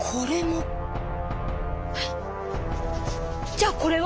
⁉じゃあこれは⁉